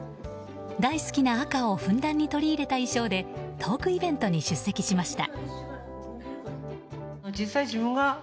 大好きな赤をふんだんに取り入れた衣装でトークイベントに出席しました。